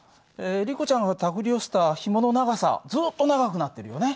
リコちゃんがたぐり寄せたひもの長さずっと長くなってるよね。